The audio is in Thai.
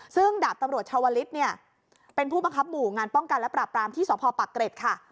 ซึ่งดาบตำรวจชาวลิศเนี่ยเป็นผู้บังคับหมู่งานป้องกันและปราบรามที่สพปักเกร็ดค่ะ